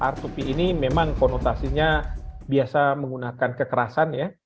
r dua p ini memang konotasinya biasa menggunakan kekerasan ya